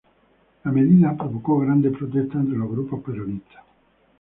La medida provocó grandes protestas entre los grupos peronistas.